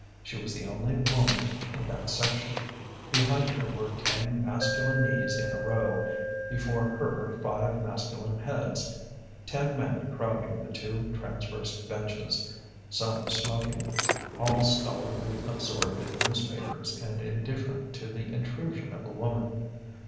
She was the only woman in that section. Behind her were ten masculine knees in a row, before her five masculine heads: ten men crowding the two transverse benches, some smoking, all stolidly absorbed in newspapers and indifferent to the intrusion of a woman.